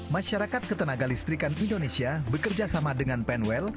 masyarakat ketenaga listrikan indonesia bekerja sama dengan penwell